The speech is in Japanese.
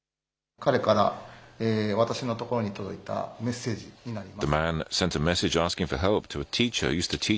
彼から私のところに届いたメッセージになります。